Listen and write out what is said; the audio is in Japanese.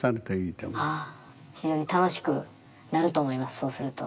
そうすると。